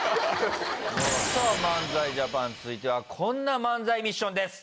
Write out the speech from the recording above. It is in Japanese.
さあ、漫才ＪＡＰＡＮ、続いてはこんな漫才ミッションです。